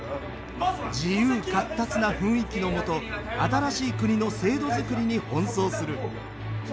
自由闊達な雰囲気のもと新しい国の制度づくりに奔走する。